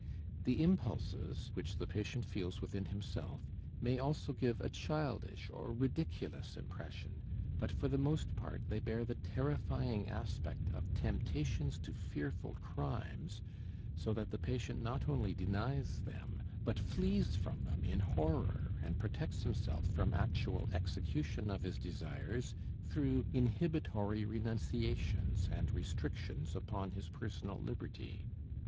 The impulses, which the patient feels within himself, may also give a childish or ridiculous impression, but for the most part they bear the terrifying aspect of temptations to fearful crimes, so that the patient not only denies them, but flees from them in horror and protects himself from actual execution of his desires through inhibitory renunciations and restrictions upon his personal liberty.